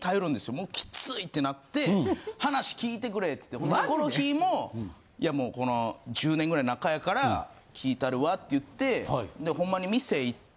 もうキツいってなって話聞いてくれっつってほんでヒコロヒーもいやもうこの１０年ぐらいの仲やから聞いたるわって言ってでほんまに店行って。